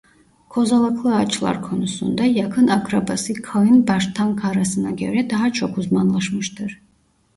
Kozalaklı ağaçlar konusunda yakın akrabası kayın baştankarasına göre daha çok uzmanlaşmıştır.